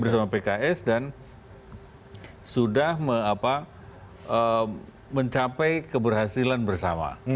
bersama pks dan sudah mencapai keberhasilan bersama